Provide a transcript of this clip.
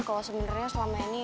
kalo sebenernya selama ini